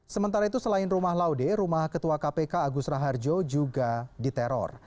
sementara itu selain rumah laude rumah ketua kpk agus raharjo juga diteror